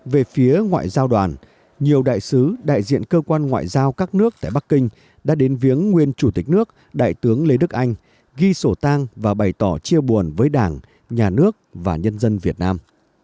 về phía ngoại giao đoàn nhiều đại sứ đại diện cơ quan ngoại giao các nước tại bắc kinh đã đến viếng nguyên chủ tịch nước đại tướng lê đức anh ghi sổ tang và bày tỏ chia buồn với đảng nhà nước và nhân dân việt nam